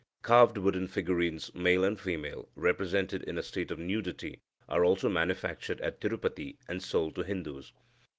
Carved wooden figurines, male and female, represented in a state of nudity, are also manufactured at Tirupati, and sold to Hindus.